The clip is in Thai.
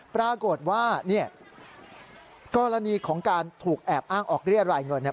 ปรากฏว่ากรณีของการถูกแอบอ้างออกเรียดรายเงิน